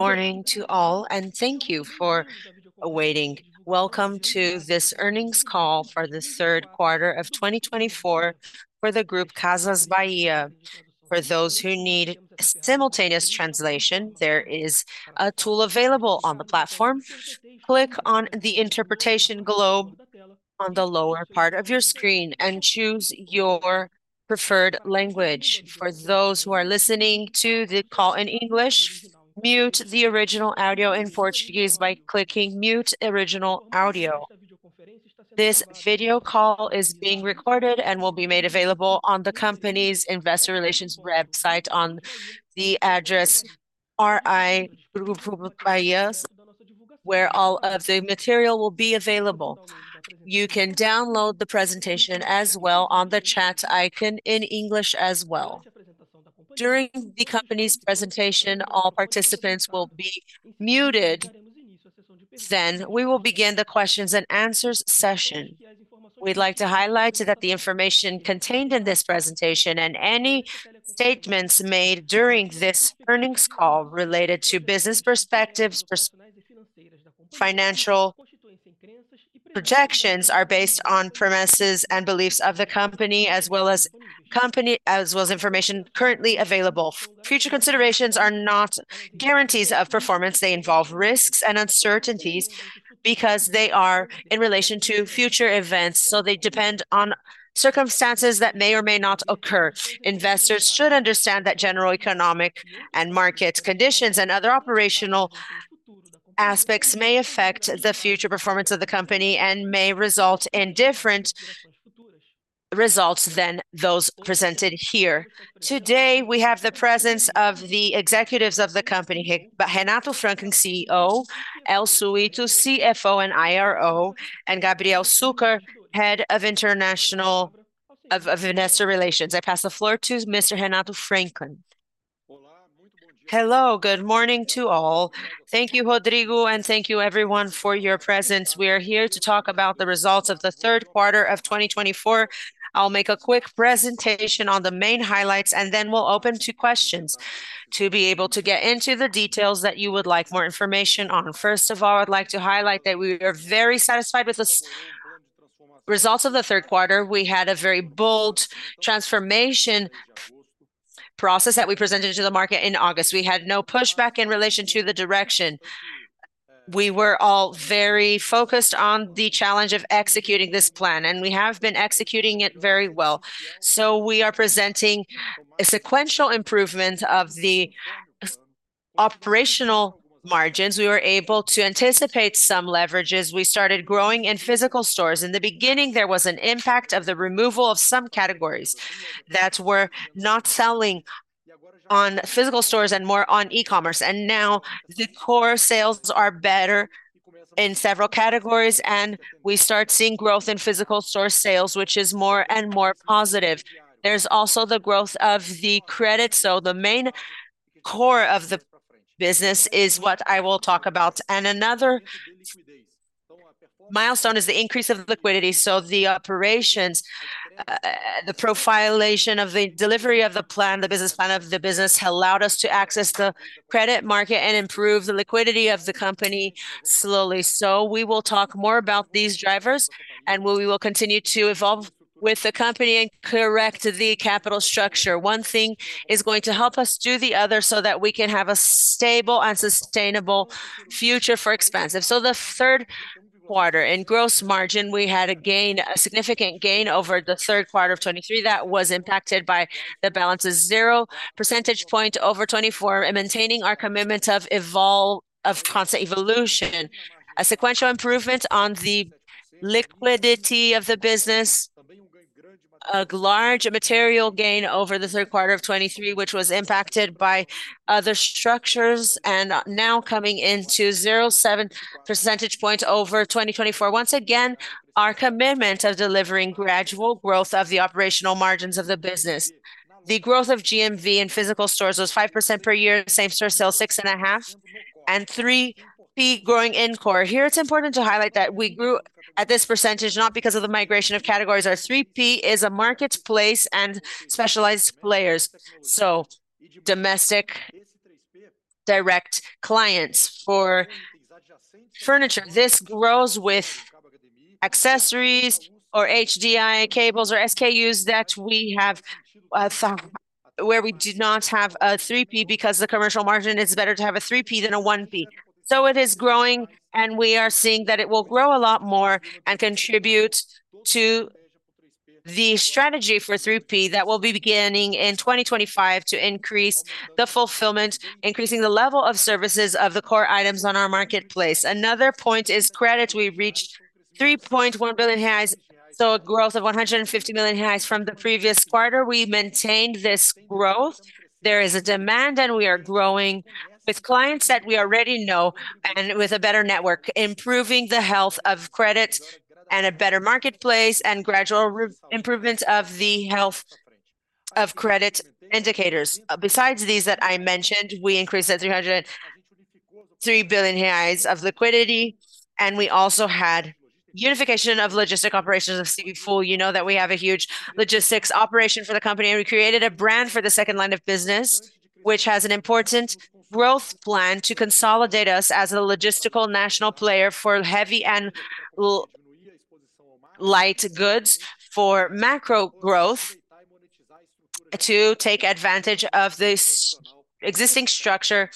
Morning to all, and thank you for waiting. Welcome to this earnings call for the Q3 of 2024 for the Grupo Casas Bahia. For those who need simultaneous translation, there is a tool available on the platform. Click on the Interpretation Globe on the lower part of your screen and choose your preferred language. For those who are listening to the call in English, mute the original audio in Portuguese by clicking Mute Original Audio. This video call is being recorded and will be made available on the company's investor relations website on the address RI Grupo Casas Bahia, where all of the material will be available. You can download the presentation as well on the chat icon in English as well. During the company's presentation, all participants will be muted. Then we will begin the questions and answers session. We'd like to highlight that the information contained in this presentation and any statements made during this earnings call related to business perspectives, financial projections are based on premises and beliefs of the company, as well as information currently available. Future considerations are not guarantees of performance. They involve risks and uncertainties because they are in relation to future events, so they depend on circumstances that may or may not occur. Investors should understand that general economic and market conditions and other operational aspects may affect the future performance of the company and may result in different results than those presented here. Today, we have the presence of the executives of the company, Renato Franklin, CEO, Elcio Ito, CFO and IRO, and Gabriel Succar, Head of Investor Relations. I pass the floor to Mr. Renato Franklin. Hello, good morning to all. Thank you, Rodrigo, and thank you everyone for your presence. We are here to talk about the results of the Q3 of 2024. I'll make a quick presentation on the main highlights, and then we'll open to questions to be able to get into the details that you would like more information on. First of all, I'd like to highlight that we are very satisfied with the results of the Q3. We had a very bold transformation process that we presented to the market in August. We had no pushback in relation to the direction. We were all very focused on the challenge of executing this plan, and we have been executing it very well. We are presenting a sequential improvement of the operational margins. We were able to anticipate some leverages. We started growing in physical stores. In the beginning, there was an impact of the removal of some categories that were not selling on physical stores and more on e-commerce. The core sales are better in several categories, and we start seeing growth in physical store sales, which is more and more positive. There's also the growth of the credit. The main core of the business is what I will talk about. Another milestone is the increase of liquidity. The operations, the profilation of the delivery of the plan, the business plan of the business, allowed us to access the credit market and improve the liquidity of the company slowly. We will talk more about these drivers, and we will continue to evolve with the company and correct the capital structure. One thing is going to help us do the other so that we can have a stable and sustainable future for expenses. The Q3 in gross margin, we had a gain, a significant gain over the Q3 of 2023 that was impacted by the balance of 0 percentage point over 2024 and maintaining our commitment of constant evolution, a sequential improvement on the liquidity of the business, a large material gain over the Q3 of 2023, which was impacted by other structures, and now coming into 0.7 percentage point over 2024. Once again, our commitment of delivering gradual growth of the operational margins of the business. The growth of GMV in physical stores was 5% per year, same store sales 6.5%, and 3P growing in core. Here it's important to highlight that we grew at this percentage not because of the migration of categories. Our 3P is a marketplace and specialized players. So domestic direct clients for furniture. This grows with accessories or HDI cables or SKUs that we have where we do not have a 3P because the commercial margin is better to have a 3P than a 1P. So it is growing, and we are seeing that it will grow a lot more and contribute to the strategy for 3P that will be beginning in 2025 to increase the fulfillment, increasing the level of services of the core items on our marketplace. Another point is credit. We reached 3.1 billion, so a growth of 150 million from the previous quarter. We maintained this growth. There is a demand, and we are growing with clients that we already know and with a better network, improving the health of credit and a better marketplace and gradual improvement of the health of credit indicators. Besides these that I mentioned, we increased to 3 billion reais of liquidity, and we also had unification of logistics operations of [inaudible] full. You know that we have a huge logistics operation for the company, and we created a brand for the second line of business, which has an important growth plan to consolidate us as a logistical national player for heavy and light goods for macro growth to take advantage of the existing structure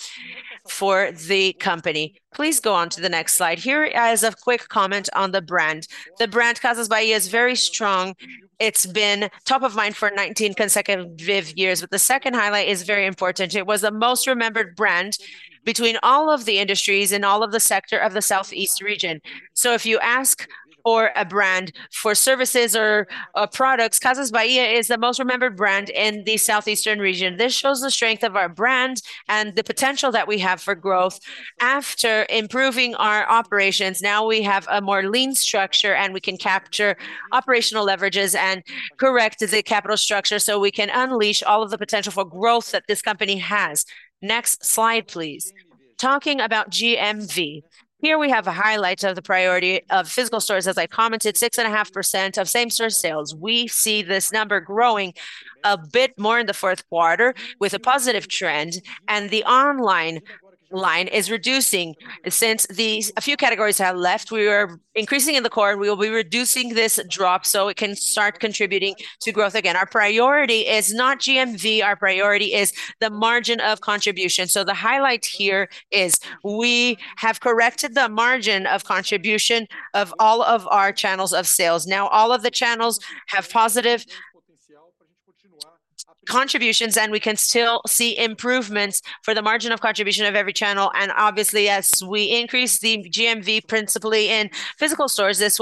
for the company. Please go on to the next slide. Here is a quick comment on the brand. The brand Casas Bahia is very strong. It's been top of mind for 19 consecutive years, but the second highlight is very important. It was the most remembered brand between all of the industries in all of the sector of the Southeast region. So if you ask for a brand for services or products, Casas Bahia is the most remembered brand in the Southeastern region. This shows the strength of our brand and the potential that we have for growth. After improving our operations, now we have a more lean structure, and we can capture operational leverages and correct the capital structure so we can unleash all of the potential for growth that this company has. Next slide, please. Talking about GMV, here we have a highlight of the priority of physical stores, as I commented, 6.5% of same store sales. We see this number growing a bit more in the Q4 with a positive trend, and the online line is reducing since a few categories have left. We are increasing in the core. We will be reducing this drop so it can start contributing to growth again. Our priority is not GMV. Our priority is the margin of contribution. So the highlight here is we have corrected the margin of contribution of all of our channels of sales. Now all of the channels have positive contributions, and we can still see improvements for the margin of contribution of every channel. And obviously, as we increase the GMV principally in physical stores, this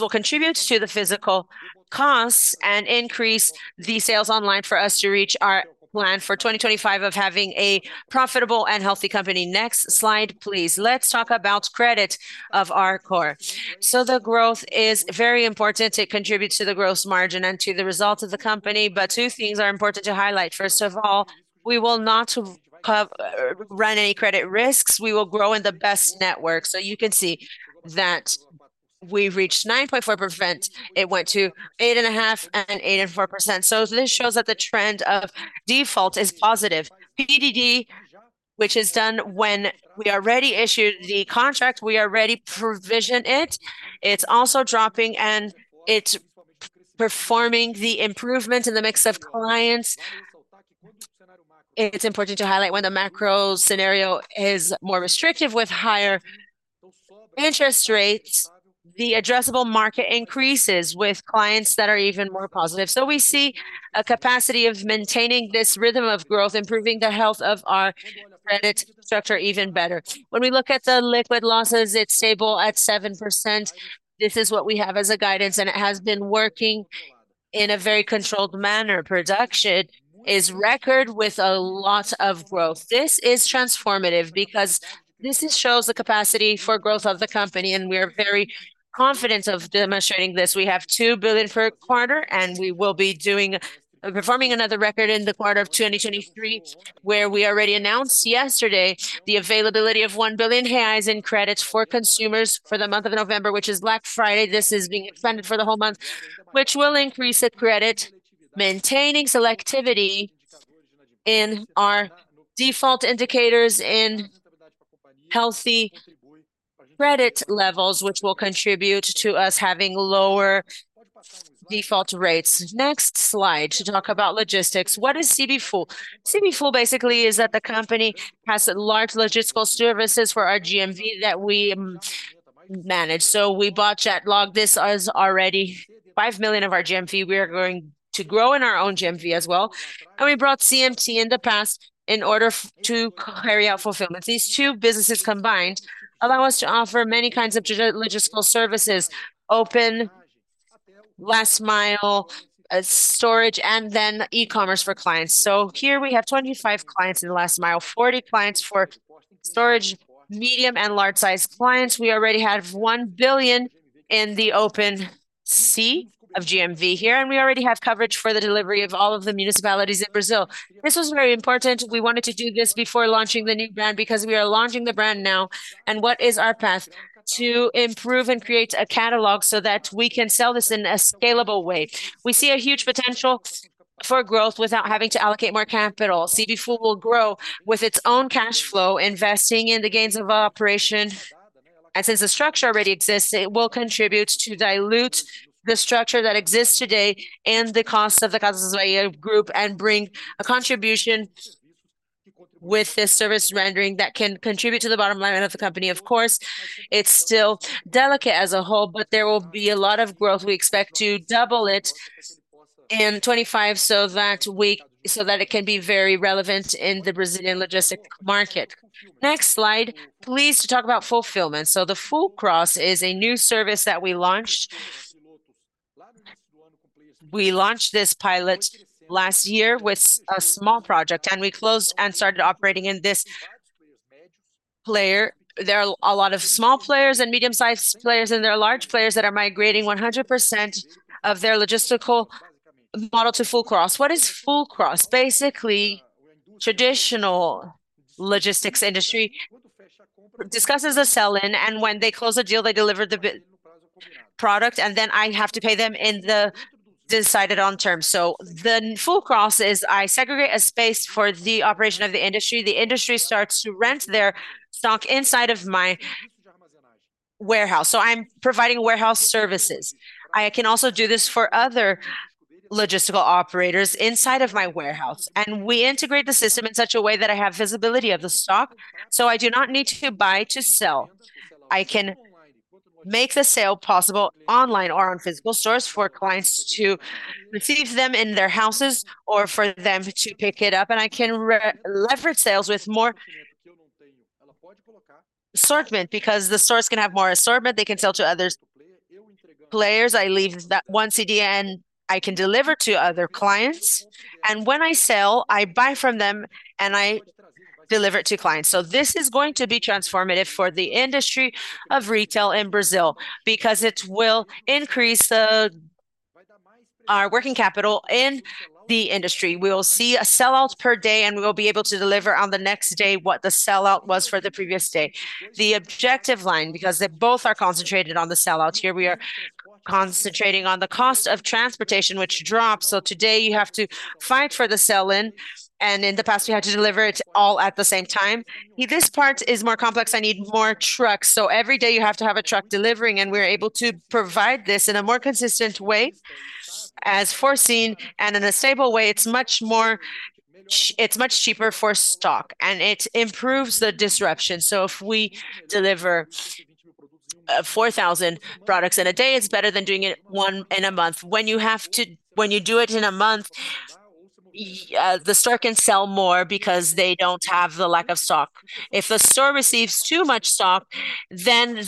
will contribute to the physical costs and increase the sales online for us to reach our plan for 2025 of having a profitable and healthy company. Next slide, please. Let's talk about credit of our core. So the growth is very important. It contributes to the gross margin and to the results of the company. But two things are important to highlight. First of all, we will not run any credit risks. We will grow in the best network. So you can see that we've reached 9.4%. It went to 8.5% and 8.4%. So this shows that the trend of default is positive. PDD, which is done when we already issued the contract, we already provisioned it. It's also dropping, and it's performing the improvement in the mix of clients. It's important to highlight when the macro scenario is more restrictive with higher interest rates, the addressable market increases with clients that are even more positive. So we see a capacity of maintaining this rhythm of growth, improving the health of our credit structure even better. When we look at the liquid losses, it's stable at 7%. This is what we have as a guidance, and it has been working in a very controlled manner. Production is record with a lot of growth. This is transformative because this shows the capacity for growth of the company, and we are very confident of demonstrating this. We have 2 billion per quarter, and we will be performing another record in the quarter of 2023, where we already announced yesterday the availability of 1 billion reais in credits for consumers for the month of November, which is Black Friday. This is being expanded for the whole month, which will increase the credit, maintaining selectivity in our default indicators in healthy credit levels, which will contribute to us having lower default rates. Next slide to talk about logistics. What is CB Full? CB Full basically is that the company has large logistical services for our GMV that we manage. So we bought [JetLog]. This is already five million of our GMV. We are going to grow in our own GMV as well. And we brought CNT in the past in order to carry out fulfillment. These two businesses combined allow us to offer many kinds of logistical services, open last mile storage, and then e-commerce for clients. So here we have 25 clients in the last mile, 40 clients for storage, medium and large size clients. We already have one billion in the open sea of GMV here, and we already have coverage for the delivery of all of the municipalities in Brazil. This was very important. We wanted to do this before launching the new brand because we are launching the brand now. What is our path, to improve and create a catalog so that we can sell this in a scalable way. We see a huge potential for growth without having to allocate more capital. CB Full will grow with its own cash flow, investing in the gains of operation. Since the structure already exists, it will contribute to dilute the structure that exists today and the costs of the Casas Bahia Group and bring a contribution with this service rendering that can contribute to the bottom line of the company. Of course, it's still delicate as a whole, but there will be a lot of growth. We expect to double it in 2025 so that it can be very relevant in the Brazilian logistics market. Next slide, please, to talk about fulfillment. The Full Cross is a new service that we launched. We launched this pilot last year with a small project, and we closed and started operating in this player. There are a lot of small players and medium-sized players, and there are large players that are migrating 100% of their logistical model to Full Cross. What is Full Cross? Basically, traditional logistics industry discusses a sell-in, and when they close a deal, they deliver the product, and then I have to pay them in the decided-on terms. So then Full Cross is I segregate a space for the operation of the industry. The industry starts to rent their stock inside of my warehouse. So I'm providing warehouse services. I can also do this for other logistical operators inside of my warehouse. And we integrate the system in such a way that I have visibility of the stock. So I do not need to buy to sell. I can make the sale possible online or on physical stores for clients to receive them in their houses or for them to pick it up, and I can leverage sales with more assortment because the stores can have more assortment. They can sell to other players. I leave that one CDN, and I can deliver to other clients, and when I sell, I buy from them and I deliver to clients, so this is going to be transformative for the industry of retail in Brazil because it will increase our working capital in the industry. We will see a sell-out per day, and we will be able to deliver on the next day what the sell-out was for the previous day. The objective line, because they both are concentrated on the sell-out here, we are concentrating on the cost of transportation, which drops. Today you have to fight for the sell-in, and in the past, we had to deliver it all at the same time. This part is more complex. I need more trucks. Every day you have to have a truck delivering, and we're able to provide this in a more consistent way, as foreseen, and in a stable way. It's much more, it's much more cheaper for stock, and it improves the disruption. If we deliver 4,000 products in a day, it's better than doing it one in a month. When you have to, when you do it in a month, the store can sell more because they don't have the lack of stock. If the store receives too much stock, then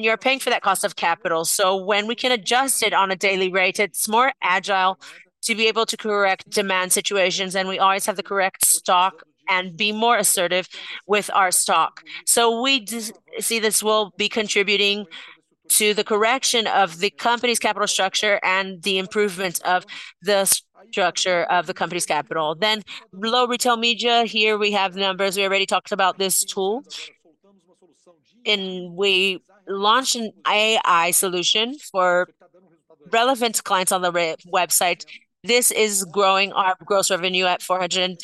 you're paying for that cost of capital. So when we can adjust it on a daily rate, it's more agile to be able to correct demand situations, and we always have the correct stock and be more assertive with our stock. So we see this will be contributing to the correction of the company's capital structure and the improvement of the structure of the company's capital. Then below retail media, here we have numbers. We already talked about this tool when we launched an AI solution for relevant clients on the website. This is growing our gross revenue at 410%.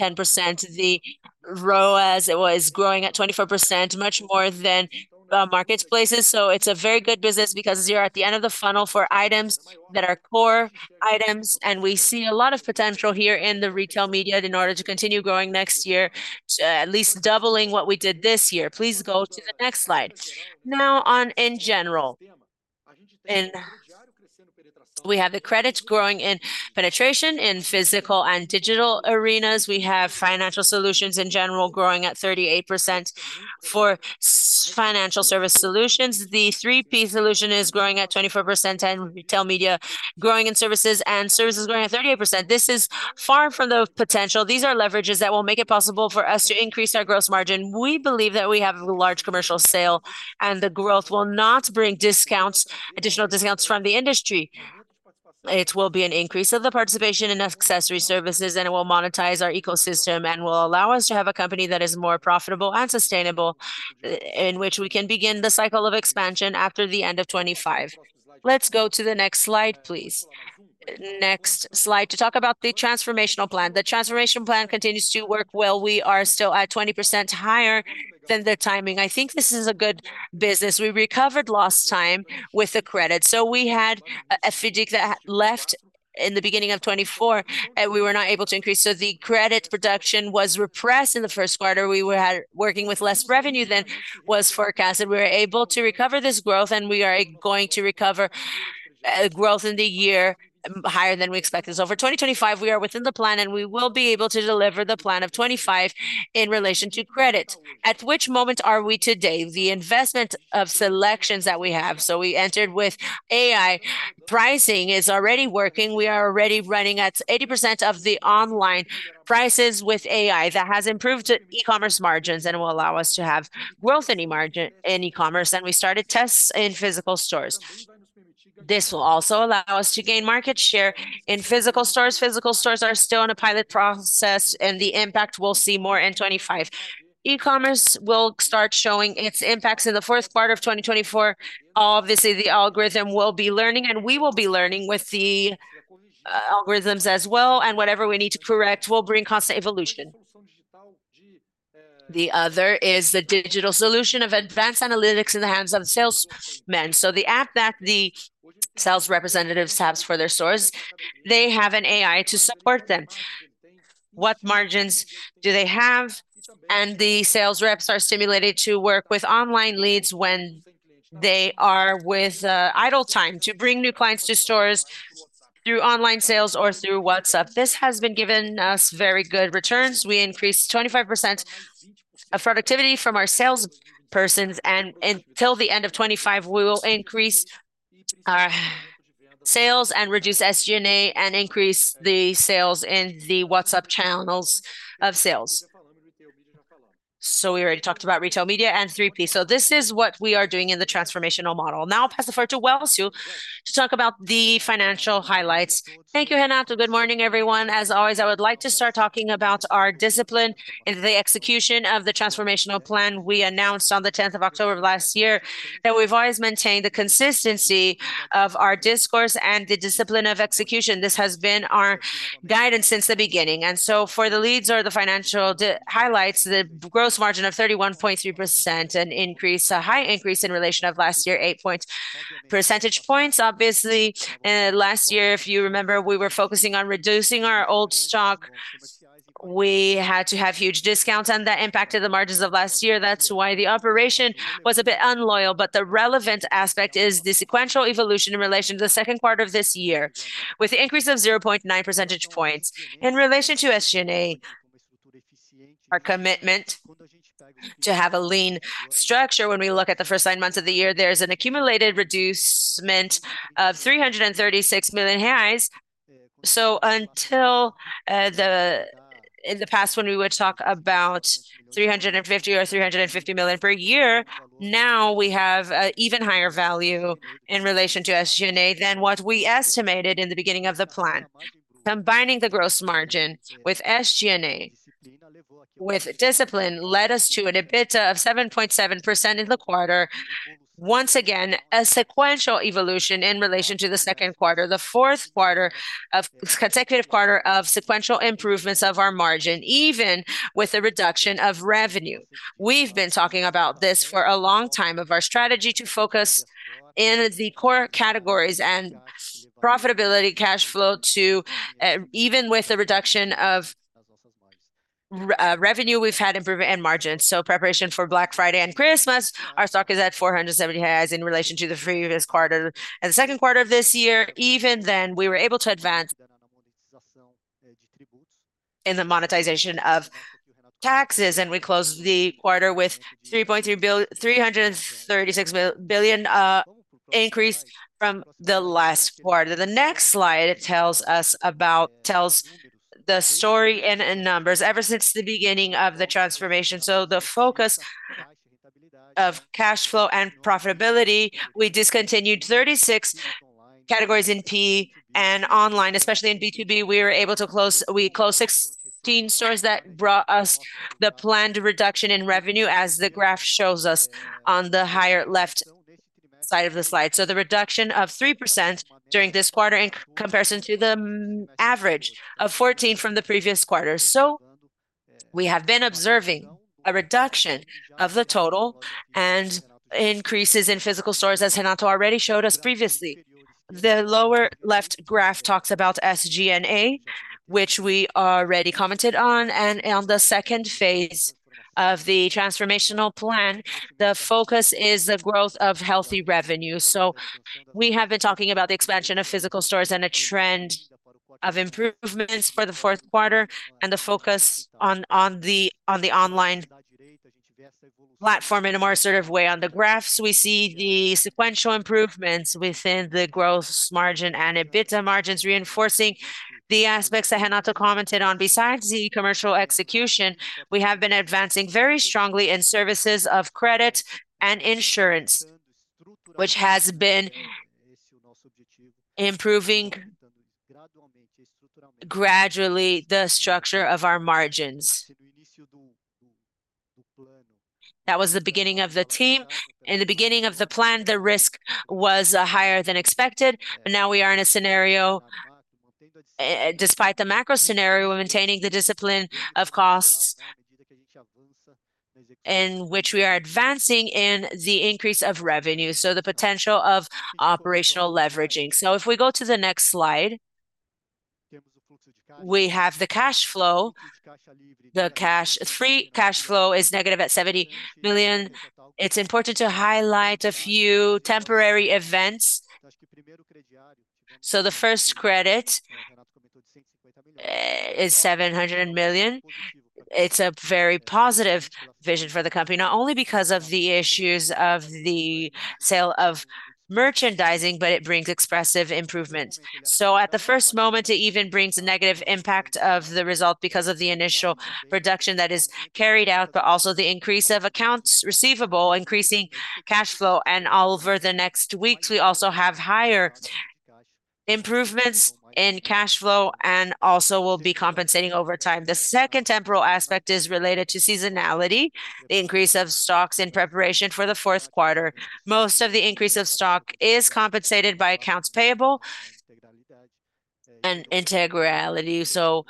The ROAS was growing at 24%, much more than marketplaces. So it's a very good business because you're at the end of the funnel for items that are core items, and we see a lot of potential here in the retail media in order to continue growing next year, at least doubling what we did this year. Please go to the next slide. Now, in general, we have the credits growing in penetration in physical and digital arenas. We have financial solutions in general growing at 38% for financial service solutions. The 3P solution is growing at 24% and retail media growing in services and services growing at 38%. This is far from the potential. These are leverages that will make it possible for us to increase our gross margin. We believe that we have a large commercial sale and the growth will not bring additional discounts from the industry. It will be an increase of the participation in accessory services, and it will monetize our ecosystem and will allow us to have a company that is more profitable and sustainable in which we can begin the cycle of expansion after the end of 2025. Let's go to the next slide, please. Next slide to talk about the transformational plan. The transformation plan continues to work well. We are still at 20% higher than the timing. I think this is a good business. We recovered lost time with the credit, so we had a fatigue that left in the beginning of 2024, and we were not able to increase, so the credit production was repressed in the Q1. We were working with less revenue than was forecast, and we were able to recover this growth, and we are going to recover growth in the year higher than we expected, so for 2025, we are within the plan, and we will be able to deliver the plan of 2025 in relation to credit. At which moment are we today? The investment of selections that we have, so we entered with AI. Pricing is already working. We are already running at 80% of the online prices with AI. That has improved e-commerce margins and will allow us to have growth in e-commerce and we started tests in physical stores. This will also allow us to gain market share in physical stores. Physical stores are still in a pilot process, and the impact we'll see more in 2025. E-commerce will start showing its impacts in the Q4 of 2024. Obviously, the algorithm will be learning, and we will be learning with the algorithms as well and whatever we need to correct will bring constant evolution. The other is the digital solution of advanced analytics in the hands of salesmen, so the app that the sales representatives have for their stores, they have an AI to support them. What margins do they have? And the sales reps are stimulated to work with online leads when they are with idle time to bring new clients to stores through online sales or through WhatsApp. This has been giving us very good returns. We increased 25% of productivity from our salespersons, and until the end of 2025, we will increase our sales and reduce SG&A and increase the sales in the WhatsApp channels of sales. So we already talked about retail media and 3P. So this is what we are doing in the transformational model. Now I'll pass the floor to Elcio to talk about the financial highlights. Thank you, Renato. Good morning, everyone. As always, I would like to start talking about our discipline in the execution of the transformational plan we announced on the 10th of October of last year that we've always maintained the consistency of our discourse and the discipline of execution. This has been our guidance since the beginning, and so for the leads or the financial highlights, the gross margin of 31.3%, an increase, a high increase in relation of last year, 8 percentage points. Obviously, last year, if you remember, we were focusing on reducing our old stock. We had to have huge discounts, and that impacted the margins of last year. That's why the operation was a bit unusual, but the relevant aspect is the sequential evolution in relation to the Q2 of this year with the increase of 0.9 percentage points in relation to SG&A. Our commitment to have a lean structure when we look at the first nine months of the year, there is an accumulated reduction of BRL 336 million. Unlike in the past, when we would talk about 350 or 350 million per year, now we have an even higher value in relation to SG&A than what we estimated in the beginning of the plan. Combining the gross margin with SG&A, with discipline, led us to an EBITDA of 7.7% in the quarter. Once again, a sequential evolution in relation to the Q2, the fourth consecutive quarter of sequential improvements of our margin, even with the reduction of revenue. We've been talking about this for a long time of our strategy to focus in the core categories and profitability, cash flow, and even with the reduction of revenue, we've had improvement in margins. So preparation for Black Friday and Christmas, our stock is at 470 million highs in relation to the previous quarter and the Q2 of this year. Even then, we were able to advance in the monetization of taxes, and we closed the quarter with 3.336 billion increase from the last quarter. The next slide tells us about, tells the story in numbers ever since the beginning of the transformation. So the focus of cash flow and profitability, we discontinued 36 categories in P and online, especially in B2B. We were able to close, we closed 16 stores that brought us the planned reduction in revenue, as the graph shows us on the higher left side of the slide. So the reduction of 3% during this quarter in comparison to the average of 14% from the previous quarter. So we have been observing a reduction of the total and increases in physical stores, as Renato already showed us previously. The lower left graph talks about SG&A, which we already commented on. And on the second phase of the transformational plan, the focus is the growth of healthy revenue. So we have been talking about the expansion of physical stores and a trend of improvements for the Q4 and the focus on the online platform in a more assertive way. On the graphs, we see the sequential improvements within the gross margin and EBITDA margins reinforcing the aspects that Renato commented on. Besides the commercial execution, we have been advancing very strongly in services of credit and insurance, which has been improving gradually the structure of our margins. That was the beginning of the team. In the beginning of the plan, the risk was higher than expected. Now we are in a scenario, despite the macro scenario, maintaining the discipline of costs in which we are advancing in the increase of revenue. So the potential of operational leveraging. So if we go to the next slide, we have the cash flow. The free cash flow is negative at 70 million. It's important to highlight a few temporary events. So the first credit is 700 million. It's a very positive vision for the company, not only because of the issues of the sale of merchandising, but it brings expressive improvements. So at the first moment, it even brings a negative impact of the result because of the initial production that is carried out, but also the increase of accounts receivable, increasing cash flow. And over the next weeks, we also have higher improvements in cash flow and also will be compensating over time. The second temporal aspect is related to seasonality, the increase of stocks in preparation for the Q4. Most of the increase of stock is compensated by accounts payable and integrality. So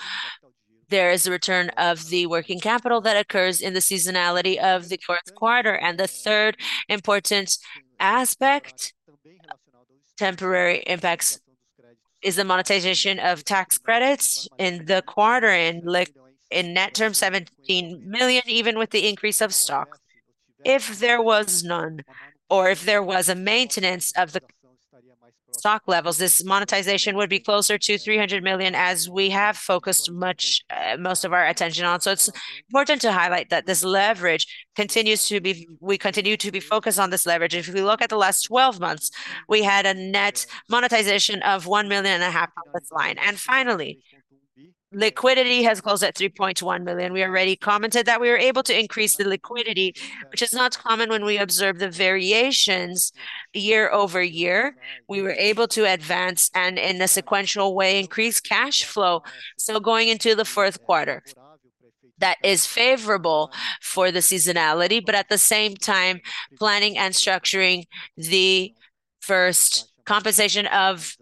there is the return of the working capital that occurs in the seasonality of the Q4. And the third important aspect, temporary impacts, is the monetization of tax credits in the quarter in net terms, 17 million, even with the increase of stock. If there was none or if there was a maintenance of the stock levels, this monetization would be closer to 300 million, as we have focused most of our attention on. So it's important to highlight that this leverage continues to be, we continue to be focused on this leverage. If we look at the last 12 months, we had a net monetization of 1.5 million on this line. And finally, liquidity has closed at 3.1 million. We already commented that we were able to increase the liquidity, which is not common when we observe the variations year over year. We were able to advance and in a sequential way increase cash flow, so going into the Q4, that is favorable for the seasonality, but at the same time, planning and structuring the first compensation of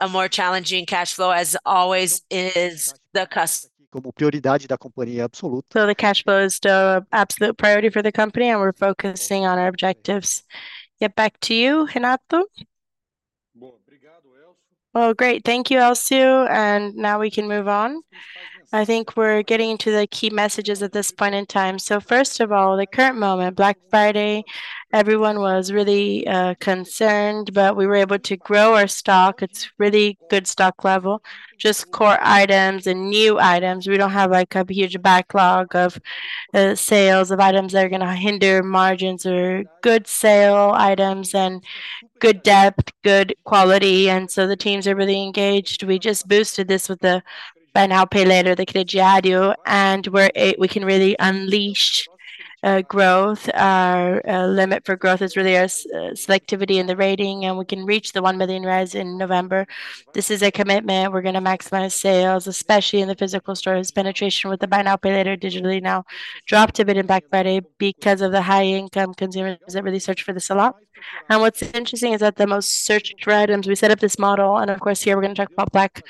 a more challenging cash flow, as always, is the customer, so the cash flow is still an absolute priority for the company, and we're focusing on our objectives. Get back to you, Renato. Well, great, thank you, Elcio, and now we can move on. I think we're getting to the key messages at this point in time, so first of all, the current moment, Black Friday, everyone was really concerned, but we were able to grow our stock. It's a really good stock level, just core items and new items. We don't have like a huge backlog of sales of items that are going to hinder margins or good sale items and good depth, good quality. And so the teams are really engaged. We just boosted this with the Buy Now, Pay Later, the Crediário, and we can really unleash growth. Our limit for growth is really our selectivity in the rating, and we can reach 1 million in November. This is a commitment. We're going to maximize sales, especially in the physical stores. Penetration with the Buy Now, Pay Later digitally now dropped a bit in Black Friday because of the high income consumers that really search for this a lot. And what's interesting is that the most searched items, we set up this model, and of course, here we're going to talk about Black,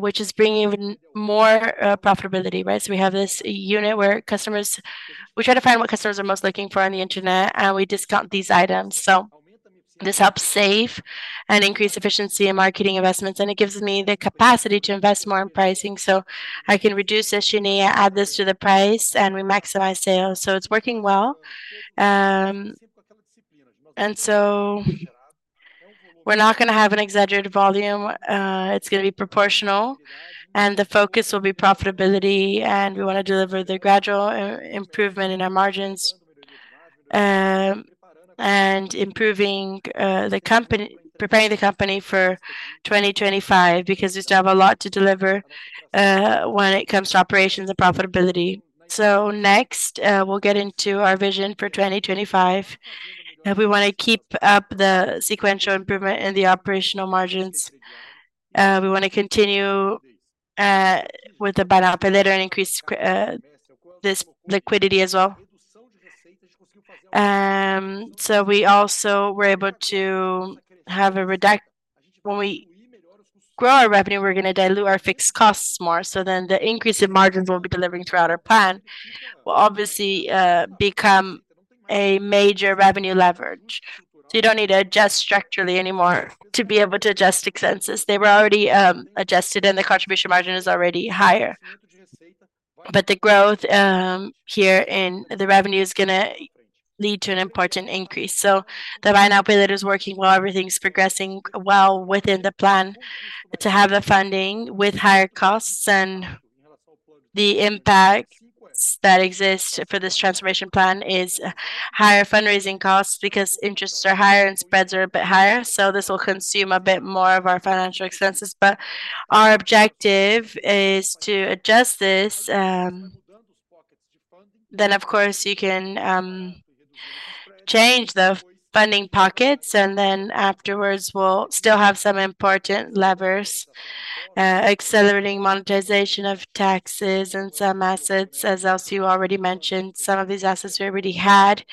which is bringing even more profitability, right? We have this unit where customers, we try to find what customers are most looking for on the internet, and we discount these items. This helps save and increase efficiency in marketing investments, and it gives me the capacity to invest more in pricing. I can reduce SG&A, add this to the price, and we maximize sales. It's working well. We're not going to have an exaggerated volume. It's going to be proportional, and the focus will be profitability, and we want to deliver the gradual improvement in our margins and improving the company, preparing the company for 2025 because we still have a lot to deliver when it comes to operations and profitability. Next, we'll get into our vision for 2025. We want to keep up the sequential improvement in the operational margins. We want to continue with the Buy Now, Pay Later and increase this liquidity as well. So we also were able to have a re-rate when we grow our revenue, we're going to dilute our fixed costs more. So then the increase in margins we'll be delivering throughout our plan will obviously become a major revenue leverage. So you don't need to adjust structurally anymore to be able to adjust expenses. They were already adjusted, and the contribution margin is already higher. But the growth here in the revenue is going to lead to an important increase. So the Buy Now, Pay Later is working well. Everything's progressing well within the plan to have the funding with higher costs. And the impact that exists for this transformation plan is higher fundraising costs because interests are higher and spreads are a bit higher. This will consume a bit more of our financial expenses. But our objective is to adjust this. Then, of course, you can change the funding pockets, and then afterwards, we'll still have some important levers, accelerating monetization of taxes and some assets, as Elcio already mentioned. Some of these assets we already had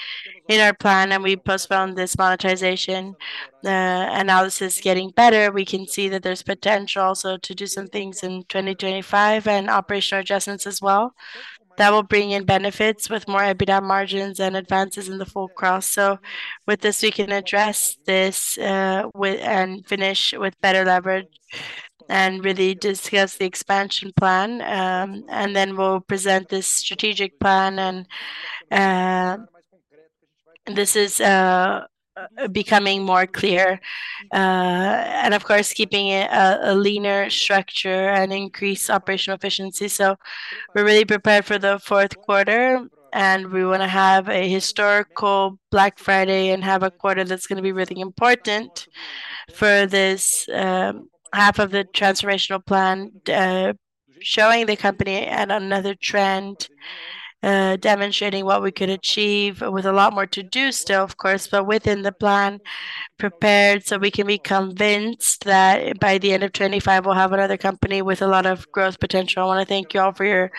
in our plan, and we postponed this monetization. The analysis is getting better. We can see that there's potential also to do some things in 2025 and operational adjustments as well. That will bring in benefits with more EBITDA margins and advances in the Full Cross. So with this, we can address this and finish with better leverage and really discuss the expansion plan. And then we'll present this strategic plan, and this is becoming more clear. And of course, keeping a leaner structure and increased operational efficiency. So we're really prepared for the Q4, and we want to have a historical Black Friday and have a quarter that's going to be really important for this half of the transformational plan, showing the company and another trend, demonstrating what we could achieve with a lot more to do still, of course, but within the plan prepared so we can be convinced that by the end of 2025, we'll have another company with a lot of growth potential. I want to thank you all for your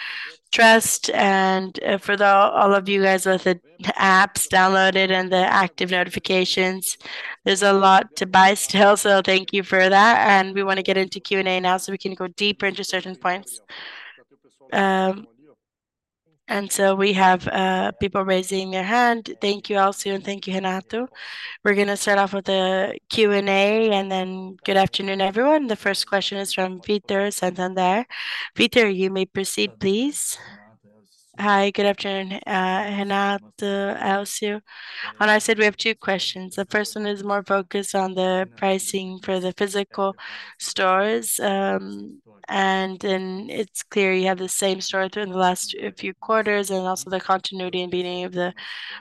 trust and for all of you guys with the apps downloaded and the active notifications. There's a lot to buy still, so thank you for that and we want to get into Q&A now so we can go deeper into certain points. And so we have people raising their hand. Thank you, Elcio, and thank you, Renato. We're going to start off with the Q&A, and then good afternoon, everyone. The first question is from Pieter Santander. Pieter, you may proceed, please. Hi, good afternoon, Renato, Elcio, and I said we have two questions. The first one is more focused on the pricing for the physical stores, and then it's clear you have the same story through the last few quarters and also the continuity in the beginning of the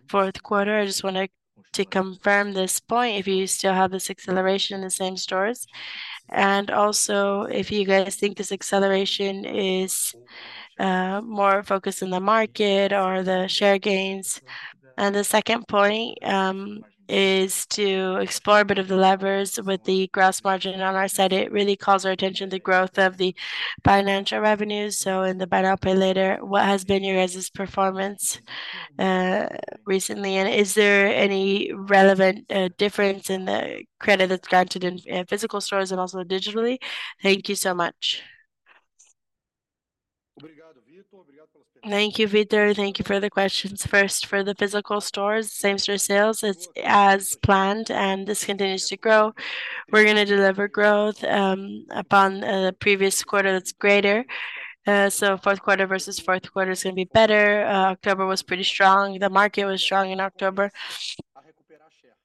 Q4. I just wanted to confirm this point if you still have this acceleration in the same stores, and also if you guys think this acceleration is more focused in the market or the share gains, and the second point is to explore a bit of the levers with the gross margin on our side. It really calls our attention to the growth of the financial revenues. So in the Buy Now, Pay Later, what has been your guys' performance recently? And is there any relevant difference in the credit that's granted in physical stores and also digitally? Thank you so much. Thank you, Pieter. Thank you for the questions. First, for the physical stores, same store sales, it's as planned, and this continues to grow. We're going to deliver growth upon the previous quarter that's greater. So Q4 versus Q4 is going to be better. October was pretty strong. The market was strong in October.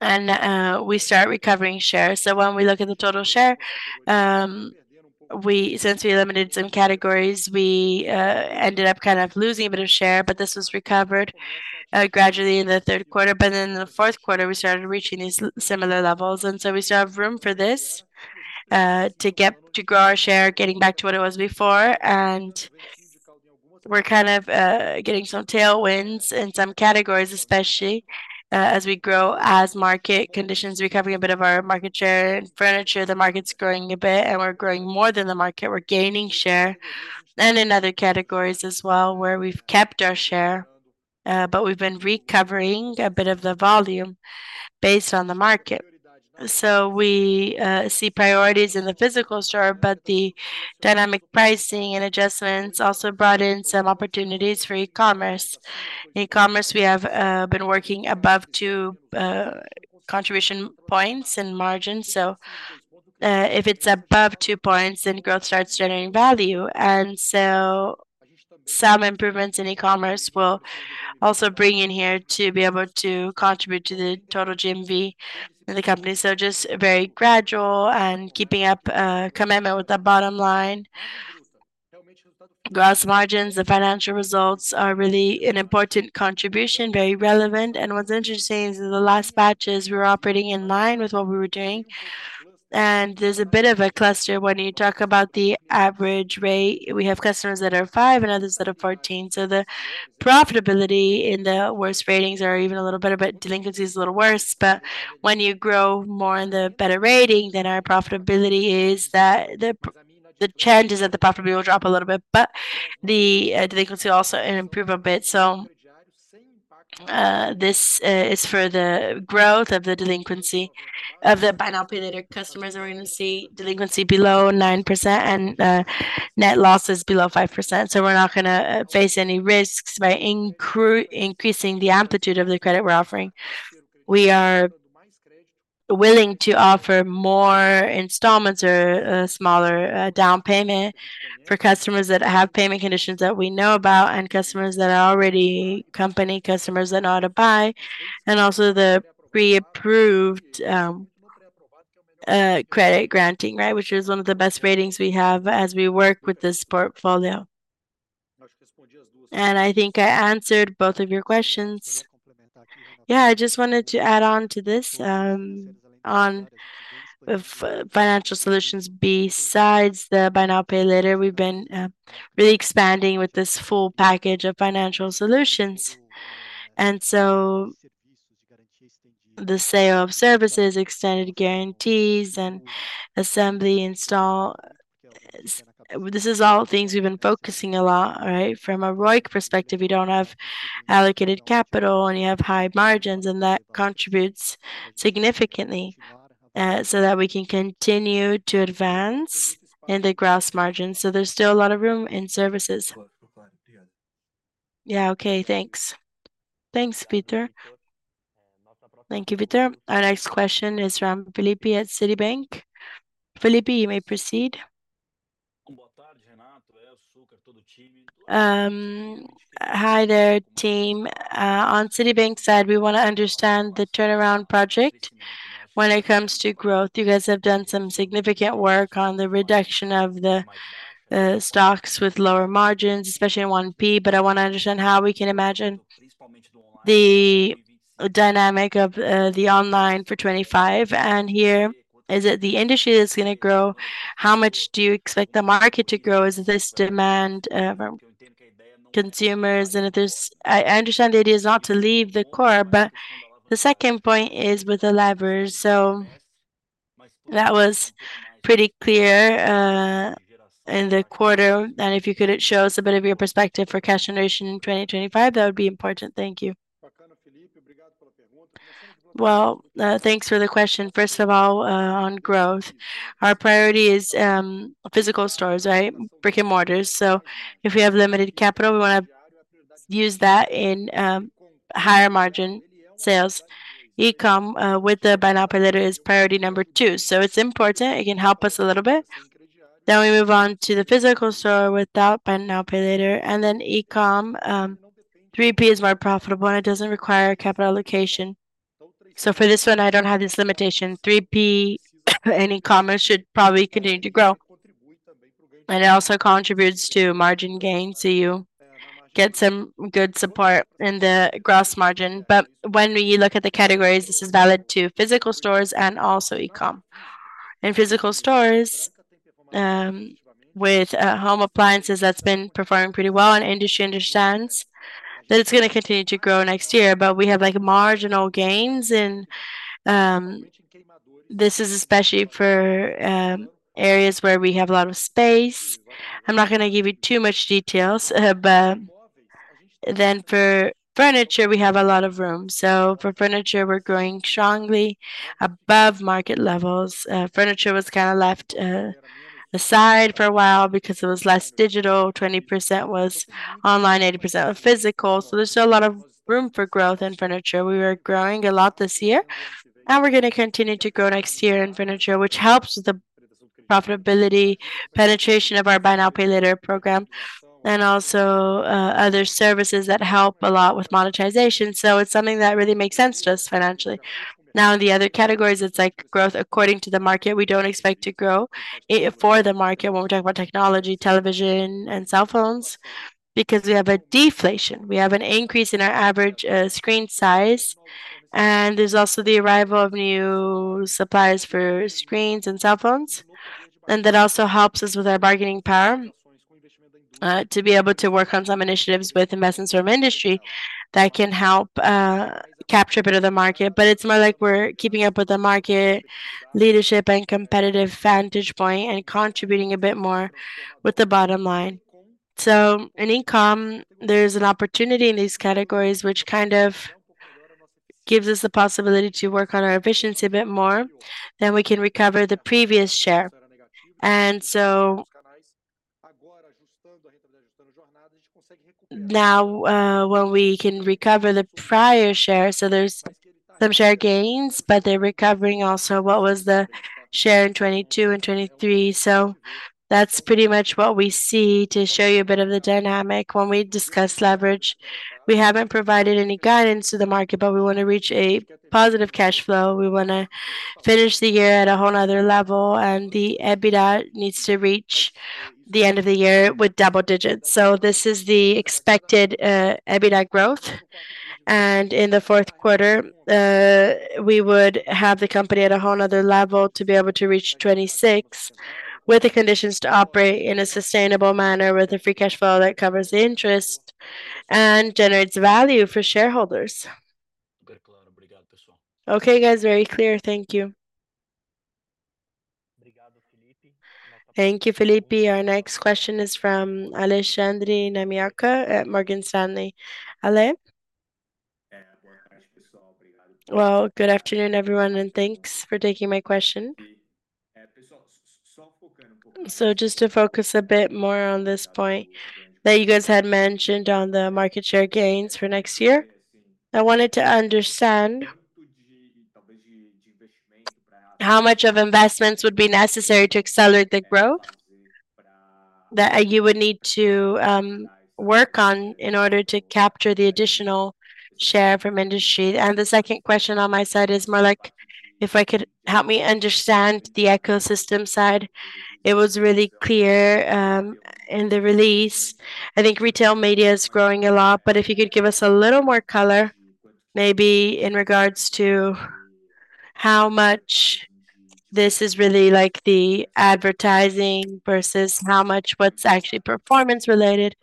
And we start recovering shares. So when we look at the total share, since we eliminated some categories, we ended up kind of losing a bit of share, but this was recovered gradually in the Q3. But then in the Q4, we started reaching these similar levels. And so we still have room for this to grow our share, getting back to what it was before. And we're kind of getting some tailwinds in some categories, especially as we grow as market conditions, recovering a bit of our market share in furniture. The market's growing a bit, and we're growing more than the market. We're gaining share and in other categories as well where we've kept our share, but we've been recovering a bit of the volume based on the market. So we see priorities in the physical store, but the dynamic pricing and adjustments also brought in some opportunities for e-commerce. In e-commerce, we have been working above two contribution points in margin. So if it's above two points, then growth starts generating value. And so, some improvements in e-commerce will also bring in here to be able to contribute to the total GMV of the company. So, just very gradual and keeping up commitment with the bottom line. Gross margins, the financial results are really an important contribution, very relevant. And what's interesting is in the last batches, we were operating in line with what we were doing. And there's a bit of a cluster when you talk about the average rate. We have customers that are five and others that are 14. So, the profitability in the worst ratings are even a little better, but delinquency is a little worse. But when you grow more in the better rating, then our profitability is that the trend is that the profitability will drop a little bit, but the delinquency also improves a bit. So this is for the growth of the delinquency of the Buy Now, Pay Later customers. We're going to see delinquency below 9% and net losses below 5%. So we're not going to face any risks by increasing the amplitude of the credit we're offering. We are willing to offer more installments or a smaller down payment for customers that have payment conditions that we know about and customers that are already company customers that know how to buy, and also the pre-approved credit granting, right, which is one of the best ratings we have as we work with this portfolio. And I think I answered both of your questions. Yeah, I just wanted to add on to this on financial solutions. Besides the Buy Now, Pay Later, we've been really expanding with this full package of financial solutions. And so the sale of services, extended guarantees, and assembly install, this is all things we've been focusing a lot, right? From a ROIC perspective, you don't have allocated capital, and you have high margins, and that contributes significantly so that we can continue to advance in the gross margins. So there's still a lot of room in services. Yeah, okay, thanks. Thanks, Pieter. Thank you, Pieter. Our next question is from Felipe at Citibank. Felipe, you may proceed. Hi there, team. On Citibank side, we want to understand the turnaround project when it comes to growth. You guys have done some significant work on the reduction of the stocks with lower margins, especially in 1P, but I want to understand how we can imagine the dynamic of the online for 2025. And here, is it the industry that's going to grow? How much do you expect the market to grow? Is it this demand from consumers? And I understand the idea is not to leave the core, but the second point is with the levers. So that was pretty clear in the quarter. And if you could show us a bit of your perspective for cash generation in 2025, that would be important. Thank you. Well, thanks for the question. First of all, on growth, our priority is physical stores, right? Brick and mortars. So if we have limited capital, we want to use that in higher margin sales. E-com with the Buy Now, Pay Later is priority number two. So it's important. It can help us a little bit. Then we move on to the physical store without Buy Now, Pay Later. And then e-com, 3P is more profitable, and it doesn't require capital allocation. So for this one, I don't have this limitation. 3P and e-commerce should probably continue to grow. And it also contributes to margin gain. So you get some good support in the gross margin. But when you look at the categories, this is valid to physical stores and also e-com. In physical stores with home appliances, that's been performing pretty well, and industry understands that it's going to continue to grow next year. But we have marginal gains, and this is especially for areas where we have a lot of space. I'm not going to give you too much details. But then for furniture, we have a lot of room. So for furniture, we're growing strongly above market levels. Furniture was kind of left aside for a while because it was less digital. 20% was online, 80% was physical. So there's still a lot of room for growth in furniture. We were growing a lot this year, and we're going to continue to grow next year in furniture, which helps with the profitability penetration of our Buy Now, Pay Later program and also other services that help a lot with monetization, so it's something that really makes sense to us financially. Now, in the other categories, it's like growth according to the market. We don't expect to grow for the market when we're talking about technology, television, and cell phones because we have a deflation. We have an increase in our average screen size, and there's also the arrival of new suppliers for screens and cell phones, and that also helps us with our bargaining power to be able to work on some initiatives with investments from industry that can help capture a bit of the market. But it's more like we're keeping up with the market leadership and competitive vantage point and contributing a bit more with the bottom line. So in e-com, there's an opportunity in these categories, which kind of gives us the possibility to work on our efficiency a bit more, then we can recover the previous share. And so now when we can recover the prior share, so there's some share gains, but they're recovering also what was the share in 2022 and 2023. So that's pretty much what we see to show you a bit of the dynamic when we discuss leverage. We haven't provided any guidance to the market, but we want to reach a positive cash flow. We want to finish the year at a whole other level, and the EBITDA needs to reach the end of the year with double digits. So this is the expected EBITDA growth. In the Q4, we would have the company at a whole other level to be able to reach 26 with the conditions to operate in a sustainable manner with a free cash flow that covers the interest and generates value for shareholders. Okay, guys, very clear. Thank you. Thank you, Felipe. Our next question is from Alexandre Namioka at Morgan Stanley. Ale. Hello, good afternoon, everyone, and thanks for taking my question. So just to focus a bit more on this point that you guys had mentioned on the market share gains for next year, I wanted to understand how much of investments would be necessary to accelerate the growth that you would need to work on in order to capture the additional share from industry. And the second question on my side is more like if you could help me understand the ecosystem side. It was really clear in the release. I think retail media is growing a lot, but if you could give us a little more color, maybe in regards to how much this is really like the advertising versus how much what's actually performance-related.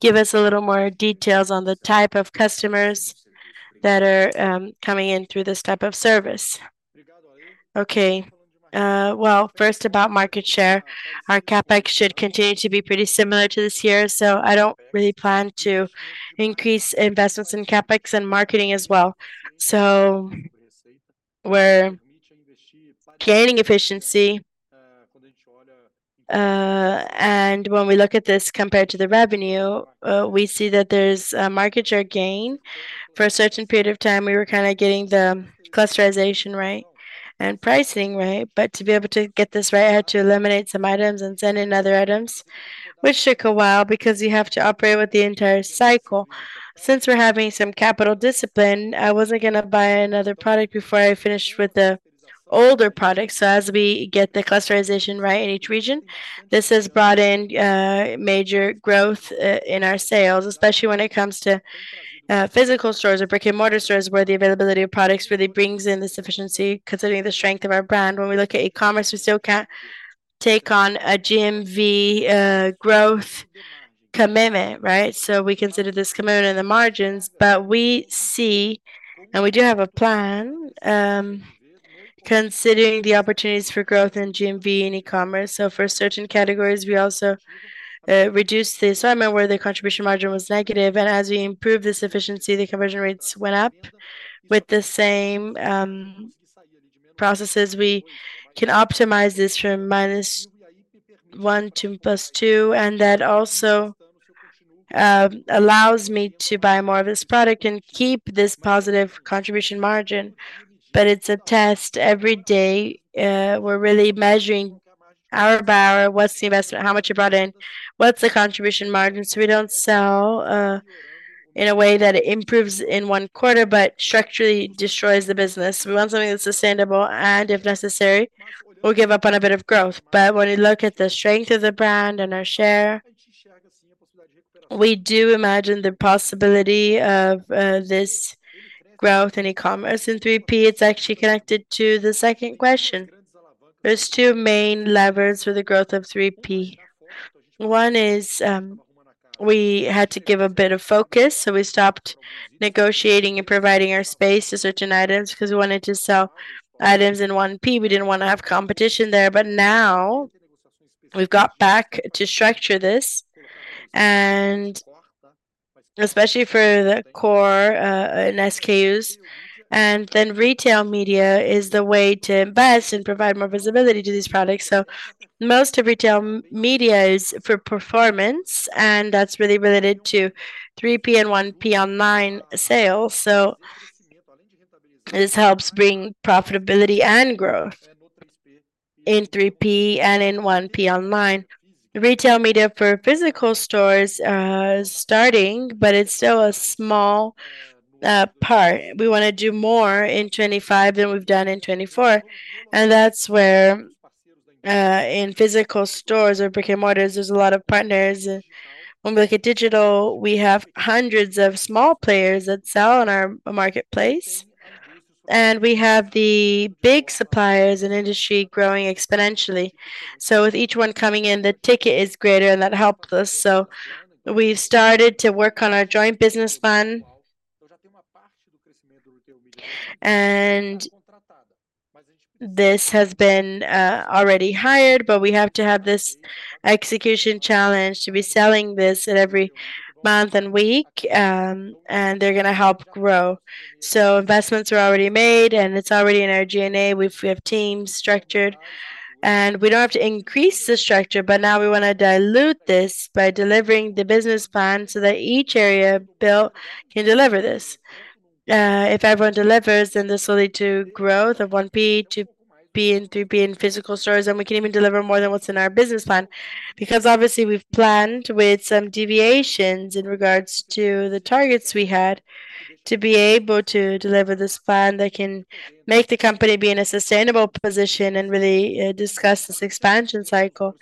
Give us a little more details on the type of customers that are coming in through this type of service. Okay. Well, first about market share, our CapEx should continue to be pretty similar to this year. So I don't really plan to increase investments in CapEx and marketing as well. So we're gaining efficiency, and when we look at this compared to the revenue, we see that there's a market share gain for a certain period of time. We were kind of getting the clusterization, right, and pricing, right? But to be able to get this right, I had to eliminate some items and send in other items, which took a while because you have to operate with the entire cycle. Since we're having some capital discipline, I wasn't going to buy another product before I finished with the older products. So as we get the clusterization right in each region, this has brought in major growth in our sales, especially when it comes to physical stores or brick-and-mortar stores where the availability of products really brings in the sufficiency considering the strength of our brand. When we look at e-commerce, we still can't take on a GMV growth commitment, right? So we consider this commitment in the margins, but we see, and we do have a plan considering the opportunities for growth in GMV and e-commerce. So for certain categories, we also reduced the assortment where the contribution margin was negative. And as we improve the efficiency, the conversion rates went up. With the same processes, we can optimize this from minus one to plus two, and that also allows me to buy more of this product and keep this positive contribution margin. But it's a test every day. We're really measuring hour by hour what's the investment, how much you brought in, what's the contribution margin. So we don't sell in a way that improves in one quarter, but structurally destroys the business. We want something that's sustainable, and if necessary, we'll give up on a bit of growth. But when we look at the strength of the brand and our share, we do imagine the possibility of this growth in e-commerce. In 3P, it's actually connected to the second question. There is two main levers for the growth of 3P. One is we had to give a bit of focus, so we stopped negotiating and providing our space to certain items because we wanted to sell items in 1P. We didn't want to have competition there. But now we've got back to structure this, and especially for the core and SKUs. And then retail media is the way to invest and provide more visibility to these products. So most of retail media is for performance, and that's really related to 3P and 1P online sales. So this helps bring profitability and growth in 3P and in 1P online. Retail media for physical stores is starting, but it's still a small part. We want to do more in 2025 than we've done in 2024. And that's where in physical stores or brick-and-mortars, there's a lot of partners. When we look at digital, we have hundreds of small players that sell in our marketplace, and we have the big suppliers and industry growing exponentially. With each one coming in, the ticket is greater, and that helps us. We've started to work on our joint business plan, and this has been already hired, but we have to have this execution challenge to be selling this every month and week, and they're going to help grow. Investments are already made, and it's already in our DNA. We have teams structured, and we don't have to increase the structure, but now we want to dilute this by delivering the business plan so that each area built can deliver this. If everyone delivers, then this will lead to growth of 1P, 2P, and 3P in physical stores, and we can even deliver more than what's in our business plan. Because obviously, we've planned with some deviations in regards to the targets we had to be able to deliver this plan that can make the company be in a sustainable position and really discuss this expansion cycle.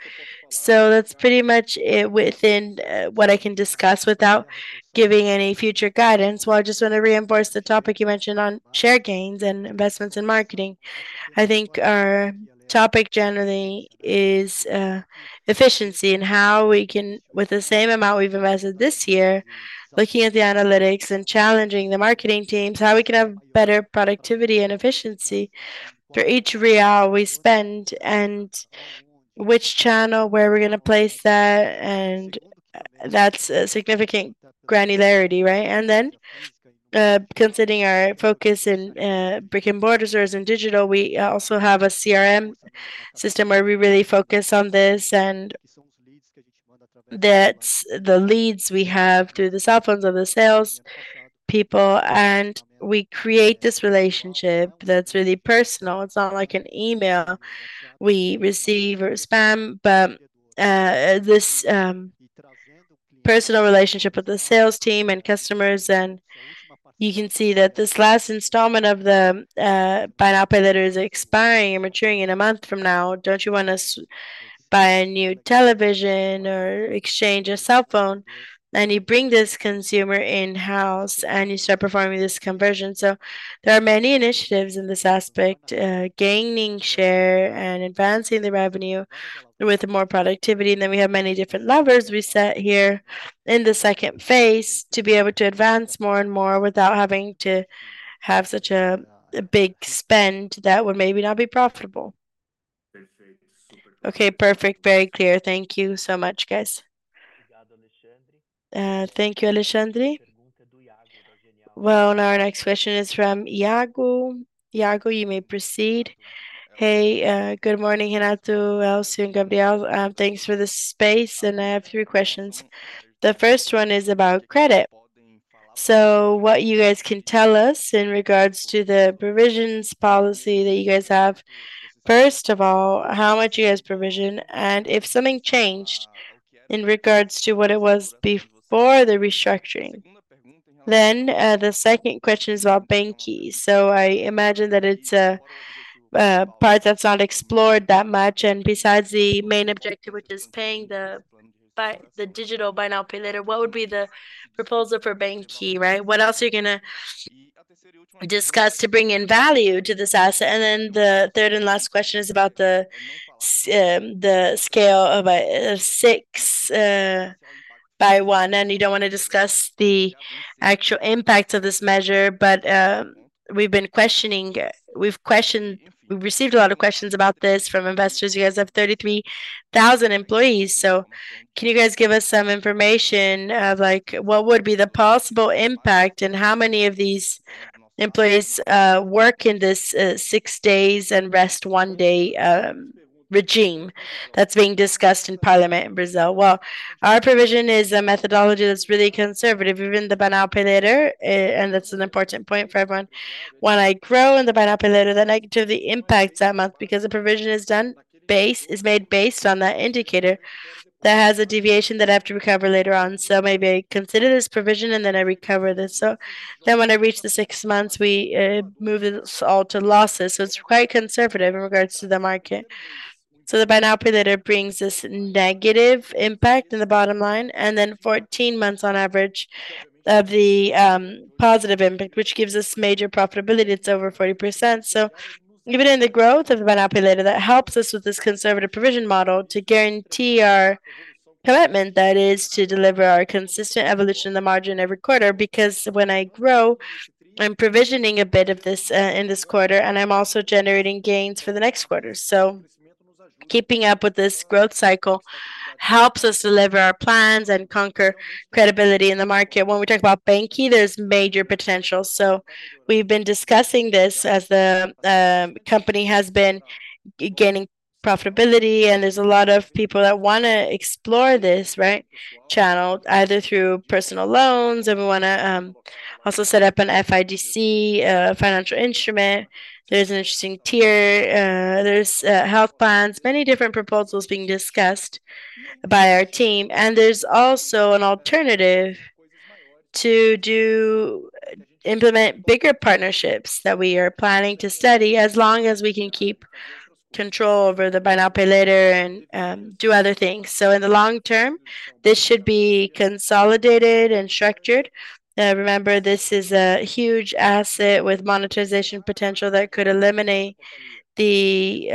That's pretty much it within what I can discuss without giving any future guidance. I just want to reinforce the topic you mentioned on share gains and investments in marketing. I think our topic generally is efficiency and how we can, with the same amount we've invested this year, looking at the analytics and challenging the marketing teams, how we can have better productivity and efficiency for each Real we spend and which channel where we're going to place that. That's a significant granularity, right? And then considering our focus in brick-and-mortar stores and digital, we also have a CRM system where we really focus on this and that's the leads we have through the cell phones of the salespeople. And we create this relationship that's really personal. It's not like an email we receive or spam, but this personal relationship with the sales team and customers. And you can see that this last installment of the Buy Now, Pay Later is expiring and maturing in a month from now. Don't you want to buy a new television or exchange a cell phone? And you bring this consumer in-house and you start performing this conversion. So there are many initiatives in this aspect, gaining share and advancing the revenue with more productivity. And then we have many different levers we set here in the second phase to be able to advance more and more without having to have such a big spend that would maybe not be profitable. Okay, perfect. Very clear. Thank you so much, guys. Thank you, Alexandre. Well, now our next question is from Iago. Iago, you may proceed. Hey, good morning, Renato, Elcio, and Gabriel. Thanks for the space, and I have three questions. The first one is about credit. So what you guys can tell us in regards to the provisions policy that you guys have. First of all, how much do you guys provision? And if something changed in regards to what it was before the restructuring, then the second question is about banQi. So I imagine that it's a part that's not explored that much. Besides the main objective, which is paying the digital Buy Now, Pay Later, what would be the proposal for banQi, right? What else are you going to discuss to bring in value to this asset? Then the third and last question is about the scale of a 6x1. You don't want to discuss the actual impact of this measure, but we've been questioning. We've received a lot of questions about this from investors. You guys have 33,000 employees. So can you guys give us some information of what would be the possible impact and how many of these employees work in this six days and rest one day regime that's being discussed in Parliament in Brazil? Our provision is a methodology that's really conservative, even the Buy Now, Pay Later. That's an important point for everyone. When I grow in the Buy Now, Pay Later, then I give the impact that month because the provision is made based on that indicator that has a deviation that I have to recover later on. So maybe I consider this provision and then I recover this. So then when I reach the six months, we move this all to losses. So it's quite conservative in regards to the market. So the Buy Now, Pay Later brings this negative impact in the bottom line. And then 14 months on average of the positive impact, which gives us major profitability. It's over 40%. So given the growth of the Buy Now, Pay Later, that helps us with this conservative provision model to guarantee our commitment, that is, to deliver our consistent evolution in the margin every quarter. Because when I grow, I'm provisioning a bit of this in this quarter, and I'm also generating gains for the next quarter. So keeping up with this growth cycle helps us deliver our plans and conquer credibility in the market. When we talk about banQi, there's major potential. So we've been discussing this as the company has been gaining profitability, and there's a lot of people that want to explore this, right, Channel, either through personal loans, and we want to also set up an FIDC financial instrument. There's an interesting tier. There's health plans, many different proposals being discussed by our team. And there's also an alternative to implement bigger partnerships that we are planning to study as long as we can keep control over the Buy Now, Pay Later and do other things. So in the long term, this should be consolidated and structured. Remember, this is a huge asset with monetization potential that could eliminate the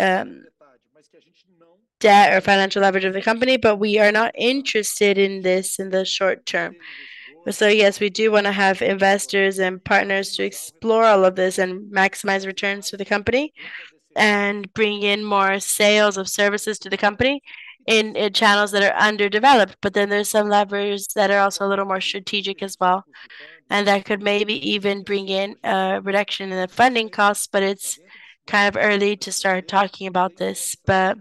debt or financial leverage of the company, but we are not interested in this in the short term. So yes, we do want to have investors and partners to explore all of this and maximize returns to the company and bring in more sales of services to the company in channels that are underdeveloped. But then there's some levers that are also a little more strategic as well. And that could maybe even bring in a reduction in the funding costs, but it's kind of early to start talking about this. But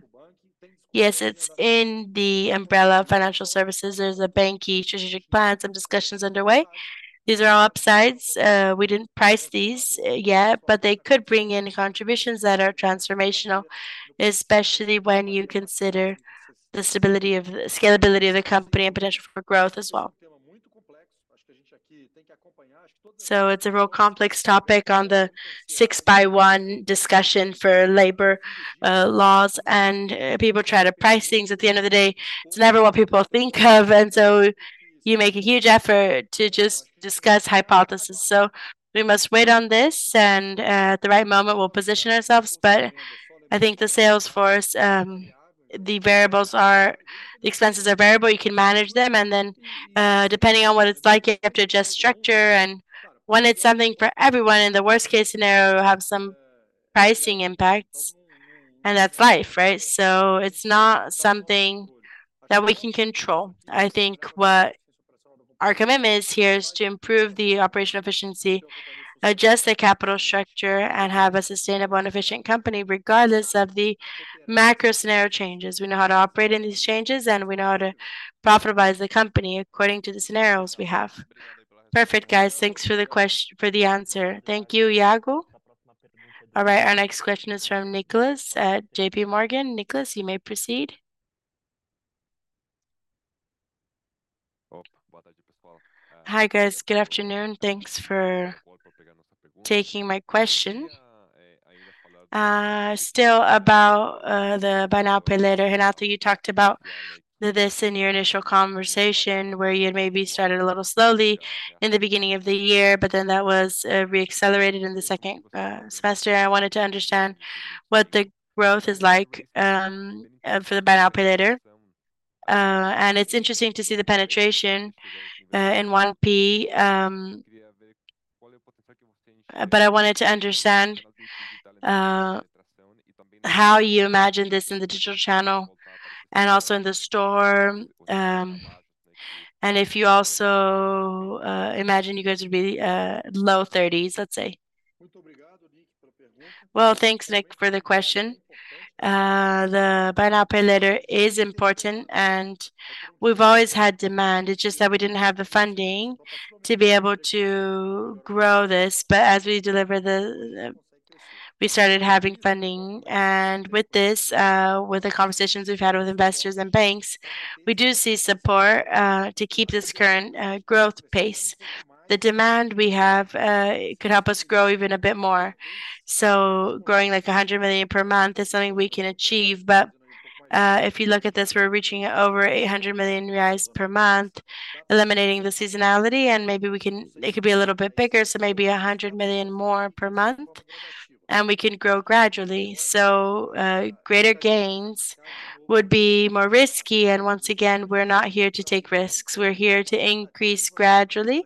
yes, it's in the umbrella of financial services. There's a banQi strategic plan, some discussions underway. These are all upsides. We didn't price these yet, but they could bring in contributions that are transformational, especially when you consider the scalability of the company and potential for growth as well. So it's a real complex topic on the 6x1 discussion for labor laws. And people try to price things. At the end of the day, it's never what people think of. And so you make a huge effort to just discuss hypotheses. So we must wait on this, and at the right moment, we'll position ourselves. But I think the sales force, the variables are, the expenses are variable. You can manage them. And then depending on what it's like, you have to adjust structure. And when it's something for everyone, in the worst-case scenario, you have some pricing impacts. And that's life, right? So it's not something that we can control. I think what our commitment is here is to improve the operational efficiency, adjust the capital structure, and have a sustainable and efficient company regardless of the macro scenario changes. We know how to operate in these changes, and we know how to profitize the company according to the scenarios we have. Perfect, guys. Thanks for the answer. Thank you, Iago. All right, our next question is from Nicolas at JPMorgan. Nicolas, you may proceed. Hi, guys. Good afternoon. Thanks for taking my question. Still about the Buy Now, Pay Later. Renato, you talked about this in your initial conversation where you had maybe started a little slowly in the beginning of the year, but then that was reaccelerated in the second semester. I wanted to understand what the growth is like for the Buy Now, Pay Later. And it's interesting to see the penetration in 1P. I wanted to understand how you imagine this in the digital channel and also in the store. If you also imagine you guys would be low 30s, let's say. Thanks, Nick, for the question. The Buy Now, Pay Later is important, and we've always had demand. It's just that we didn't have the funding to be able to grow this. As we deliver the, we started having funding. With this, with the conversations we've had with investors and banks, we do see support to keep this current growth pace. The demand we have could help us grow even a bit more. Growing like 100 million per month is something we can achieve. If you look at this, we're reaching over 800 million reais per month, eliminating the seasonality. Maybe it could be a little bit bigger, so maybe 100 million more per month, and we can grow gradually. Greater gains would be more risky. Once again, we're not here to take risks. We're here to increase gradually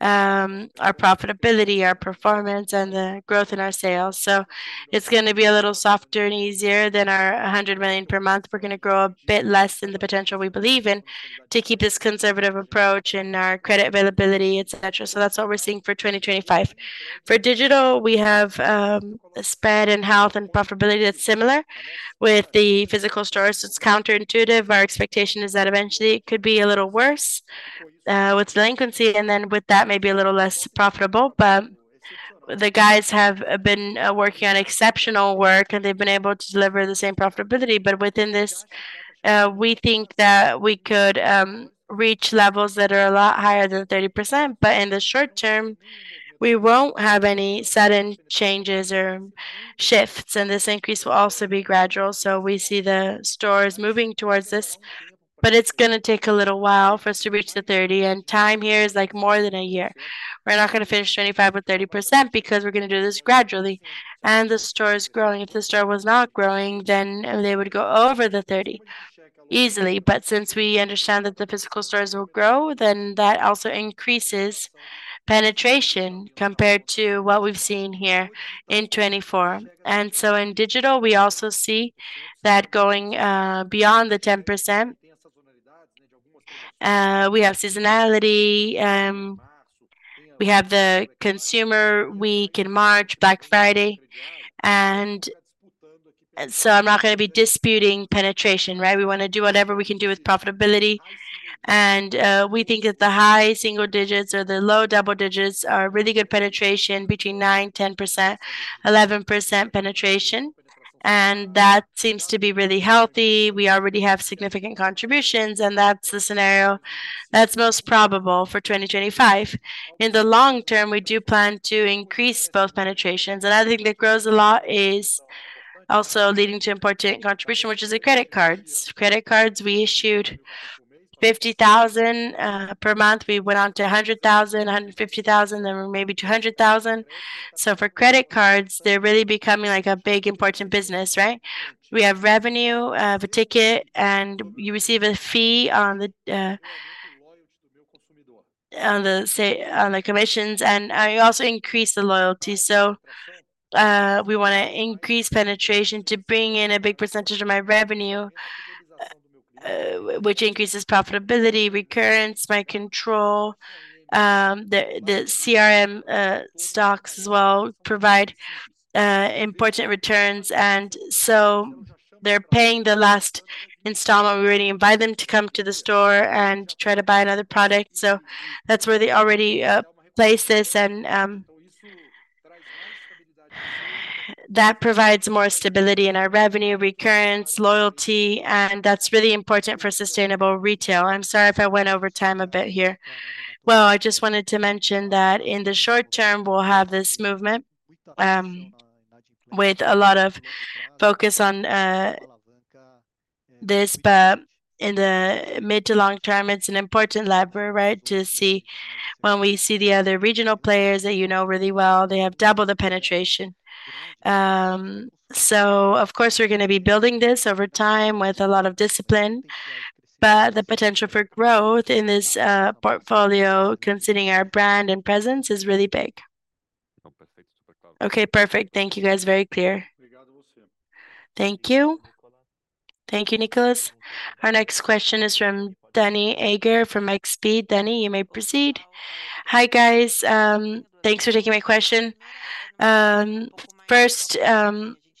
our profitability, our performance, and the growth in our sales. It's going to be a little softer and easier than our 100 million per month. We're going to grow a bit less than the potential we believe in to keep this conservative approach in our credit availability, etc. That's what we're seeing for 2025. For digital, we have a spread in health and profitability that's similar with the physical stores. It's counterintuitive. Our expectation is that eventually it could be a little worse with delinquency, and then with that, maybe a little less profitable. But the guys have been working on exceptional work, and they've been able to deliver the same profitability. But within this, we think that we could reach levels that are a lot higher than 30%. But in the short term, we won't have any sudden changes or shifts, and this increase will also be gradual. So we see the stores moving towards this, but it's going to take a little while for us to reach the 30. And time here is like more than a year. We're not going to finish 25% or 30% because we're going to do this gradually. And the store is growing. If the store was not growing, then they would go over the 30 easily. But since we understand that the physical stores will grow, then that also increases penetration compared to what we've seen here in 2024. In digital, we also see that going beyond the 10%. We have seasonality. We have the consumer week in March, Black Friday. I'm not going to be disputing penetration, right? We want to do whatever we can do with profitability. We think that the high single digits or the low double digits are really good penetration between 9% and 10%, 11% penetration. That seems to be really healthy. We already have significant contributions, and that's the scenario that's most probable for 2025. In the long term, we do plan to increase both penetrations. I think that grows a lot is also leading to important contribution, which is the credit cards. Credit cards, we issued 50,000 per month. We went on to 100,000, 150,000, then maybe 200,000. For credit cards, they're really becoming like a big important business, right? We have revenue of a ticket, and you receive a fee on the commissions, and you also increase the loyalty. So we want to increase penetration to bring in a big percentage of my revenue, which increases profitability, recurrence, my control. The CRM stocks as well provide important returns. And so they're paying the last installment. We already invite them to come to the store and try to buy another product. So that's where they already place this. And that provides more stability in our revenue, recurrence, loyalty, and that's really important for sustainable retail. I'm sorry if I went over time a bit here. Well, I just wanted to mention that in the short term, we'll have this movement with a lot of focus on this. But in the mid to long term, it's an important lever, right, to see when we see the other regional players that you know really well, they have double the penetration. So of course, we're going to be building this over time with a lot of discipline. But the potential for growth in this portfolio, considering our brand and presence, is really big. Okay, perfect. Thank you guys. Very clear. Thank you. Thank you, Nicolas. Our next question is from Dani Eiger from XP Investimentos. Dani, you may proceed. Hi guys. Thanks for taking my question. First,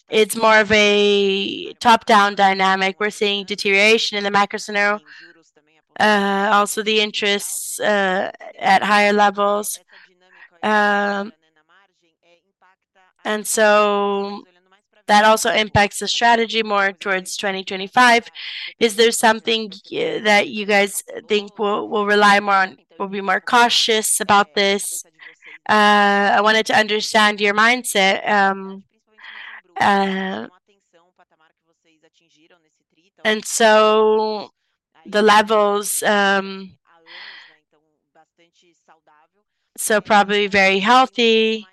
it's more of a top-down dynamic. We're seeing deterioration in the macro scenario, also the interests at higher levels. And so that also impacts the strategy more towards 2025. Is there something that you guys think we'll rely more on? We'll be more cautious about this. I wanted to understand your mindset. And so the levels are probably very healthy.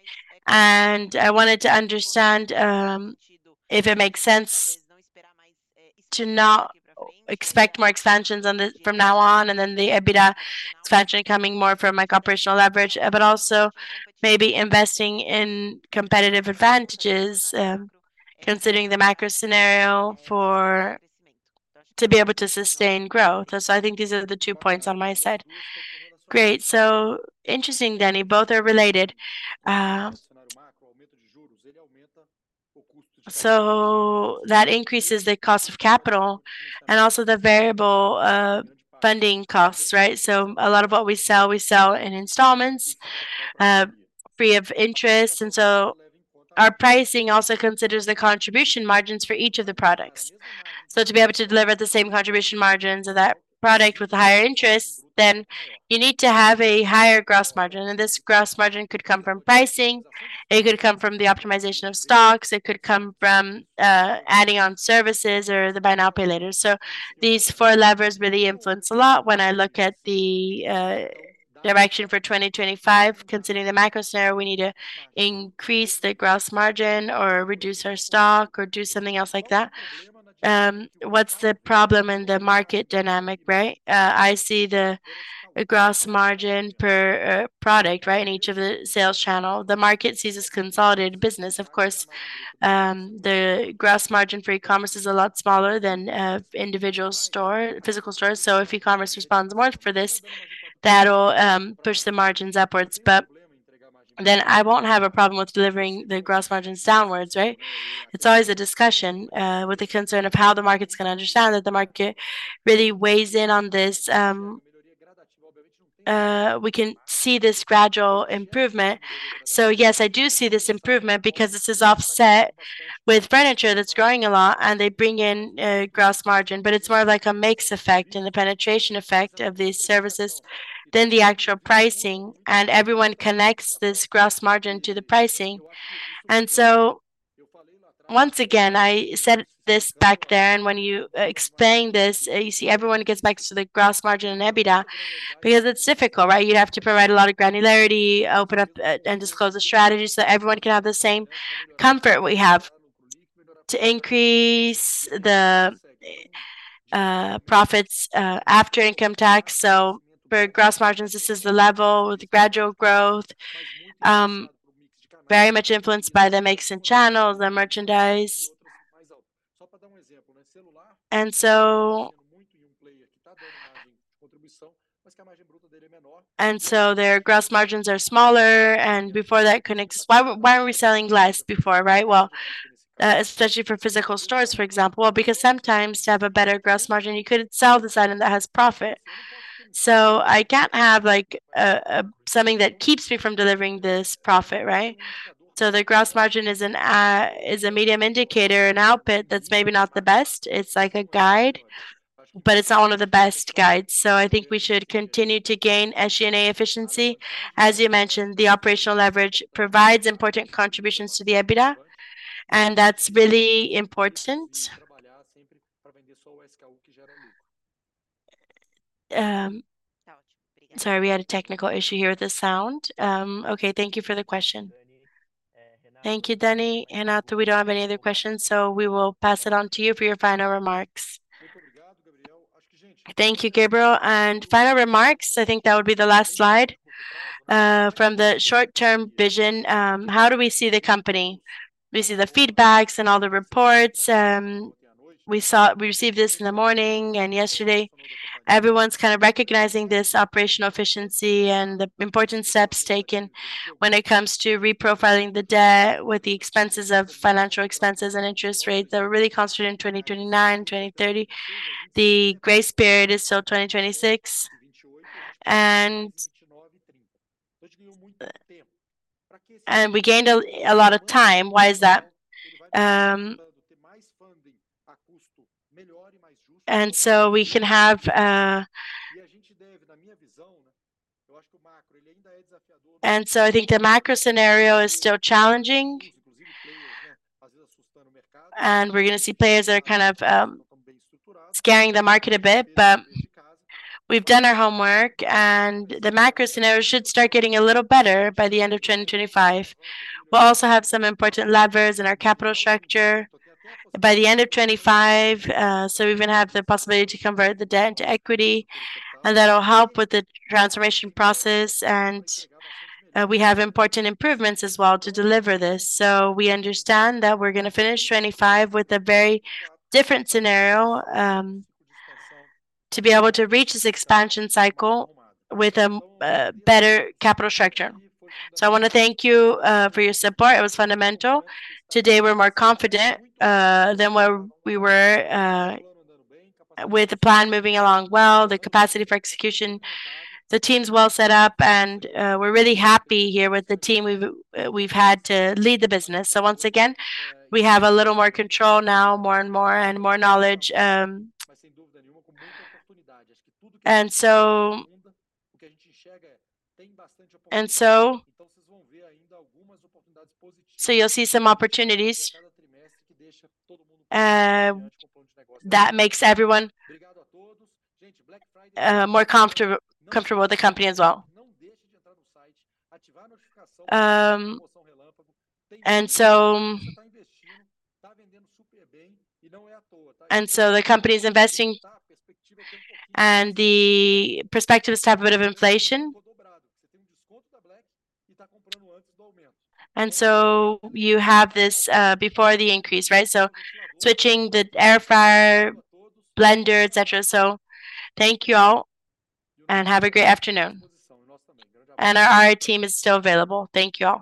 And I wanted to understand if it makes sense to not expect more expansions from now on, and then the EBITDA expansion coming more from my operational leverage, but also maybe investing in competitive advantages considering the macro scenario to be able to sustain growth. So I think these are the two points on my side. Great. So interesting, Dani. Both are related. So that increases the cost of capital and also the variable funding costs, right? So a lot of what we sell, we sell in installments free of interest. And so our pricing also considers the contribution margins for each of the products. So to be able to deliver the same contribution margins of that product with a higher interest, then you need to have a higher gross margin. And this gross margin could come from pricing. It could come from the optimization of stocks. It could come from adding on services or the Buy Now, Pay Later. So these four levers really influence a lot when I look at the direction for 2025. Considering the macro scenario, we need to increase the gross margin or reduce our stock or do something else like that. What's the problem in the market dynamic, right? I see the gross margin per product, right, in each of the sales channels. The market sees us consolidate business. Of course, the gross margin for e-commerce is a lot smaller than individual physical stores. So if e-commerce responds more for this, that'll push the margins upwards. But then I won't have a problem with delivering the gross margins downwards, right? It's always a discussion with the concern of how the market's going to understand that the market really weighs in on this. We can see this gradual improvement. So yes, I do see this improvement because this is offset with furniture that's growing a lot, and they bring in gross margin. But it's more of like a mix effect and the penetration effect of these services than the actual pricing. And everyone connects this gross margin to the pricing. And so once again, I said this back there. And when you explain this, you see everyone gets back to the gross margin and EBITDA because it's difficult, right? You'd have to provide a lot of granularity, open up and disclose the strategy so everyone can have the same comfort we have to increase the profits after income tax. So for gross margins, this is the level with gradual growth, very much influenced by the mix and channels, the merchandise. And so their gross margins are smaller. And before that, why are we selling less before, right? Well, especially for physical stores, for example, because sometimes to have a better gross margin, you could sell the side that has profit. So I can't have something that keeps me from delivering this profit, right? So the gross margin is a medium indicator, an output that's maybe not the best. It's like a guide, but it's not one of the best guides. So I think we should continue to gain SG&A efficiency. As you mentioned, the operational leverage provides important contributions to the EBITDA, and that's really important. Sorry, we had a technical issue here with the sound. Okay, thank you for the question. Thank you, Dani. Renato, we don't have any other questions, so we will pass it on to you for your final remarks. Thank you, Gabriel. Final remarks, I think that would be the last slide. From the short-term vision, how do we see the company? We see the feedback and all the reports. We received this in the morning, and yesterday, everyone's kind of recognizing this operational efficiency and the important steps taken when it comes to reprofiling the debt with the expenses of financial expenses and interest rates that were really constituted in 2029, 2030. The grace period is still 2026. We gained a lot of time. Why is that? So we can have, and so I think the macro scenario is still challenging. We're going to see players that are kind of scaring the market a bit. We've done our homework, and the macro scenario should start getting a little better by the end of 2025. We'll also have some important levers in our capital structure by the end of 2025. So we even have the possibility to convert the debt into equity, and that'll help with the transformation process. And we have important improvements as well to deliver this. So we understand that we're going to finish 2025 with a very different scenario to be able to reach this expansion cycle with a better capital structure. So I want to thank you for your support. It was fundamental. Today, we're more confident than where we were with the plan moving along well, the capacity for execution, the team's well set up, and we're really happy here with the team we've had to lead the business. So once again, we have a little more control now, more and more and more knowledge. And so you'll see some opportunities that makes everyone more comfortable with the company as well. And so, and so the company is investing and the prespective is to have a bit of inflation. And so you have this before the increase. So, switching the air fryer, blender, et cetera. So, thank you all, and have a great afternoon. And our team is still available. Thank you all.